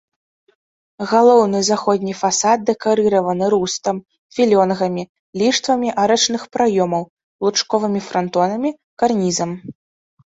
Галоўны заходні фасад дэкарыраваны рустам, філёнгамі, ліштвамі арачных праёмаў, лучковымі франтонамі, карнізам.